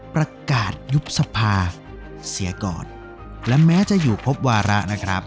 ประกาศยุบสภาเสียก่อนและแม้จะอยู่ครบวาระนะครับ